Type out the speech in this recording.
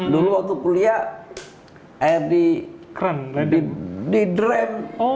dulu waktu kuliah air di drem